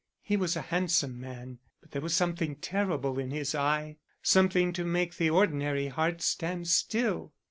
He was a handsome man but there was something terrible in his eye; something to make the ordinary heart stand still.